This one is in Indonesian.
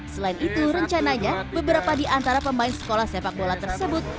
selain itu rencananya beberapa di antara pemain sekolah sepak bola tersebut